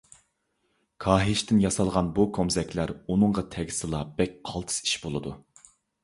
كاھىشتىن ياسالغان بۇ كومزەكلەر ئۇنىڭغا تەگسىلا بەك قالتىس ئىش بولىدۇ.